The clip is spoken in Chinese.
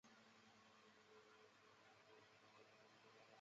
该团秘书长郭长乐。